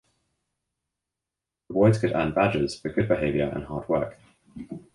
The boys could earn badges for good behavior and hard work.